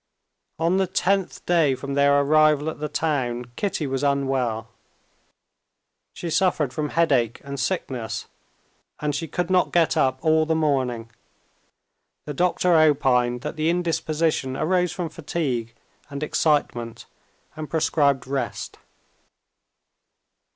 On the tenth day from their arrival at the town, Kitty was unwell. She suffered from headache and sickness, and she could not get up all the morning. The doctor opined that the indisposition arose from fatigue and excitement, and prescribed rest.